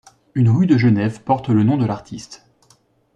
Une rue de Genève porte le nom de l'artiste.